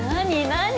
何？